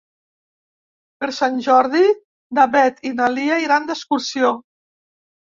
Per Sant Jordi na Beth i na Lia iran d'excursió.